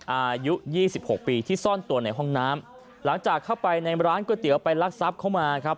อายุยี่สิบหกปีที่ซ่อนตัวในห้องน้ำหลังจากเข้าไปในร้านก๋วยเตี๋ยวไปรักทรัพย์เข้ามาครับ